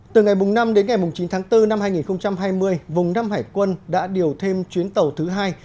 từ ngày năm đến ngày chín tháng bốn năm hai nghìn hai mươi vùng nam hải quân đã điều thêm chuyến tàu thứ hai